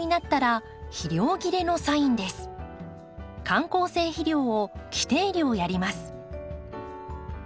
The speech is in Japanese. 緩効性肥料を規定量やります。